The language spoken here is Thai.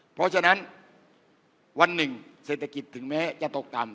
เพราะฉะนั้นวันหนึ่งเศรษฐกิจถึงแม้จะตกต่ำ